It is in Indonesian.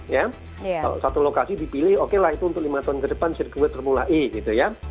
kalau satu lokasi dipilih oke lah itu untuk lima tahun ke depan sirkuit formula e gitu ya